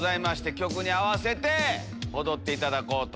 曲に合わせて踊っていただこうと。